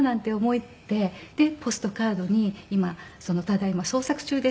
でポストカードに「ただ今捜索中です」と。